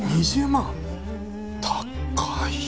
高い。